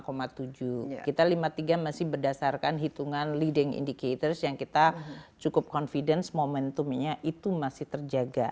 kita lima tiga masih berdasarkan hitungan leading indicators yang kita cukup confidence momentumnya itu masih terjaga